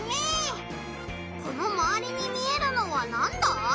このまわりに見えるのはなんだ？